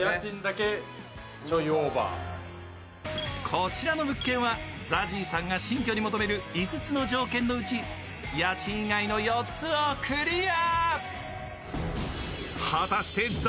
こちらの物件はＺＡＺＹさんが新居に求める５つの条件のうち家賃以外の４つをクリア。